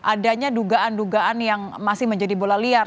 adanya dugaan dugaan yang masih menjadi bola liar